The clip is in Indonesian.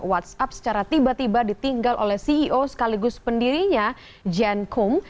whatsapp secara tiba tiba ditinggal oleh ceo sekaligus pendirinya jan kum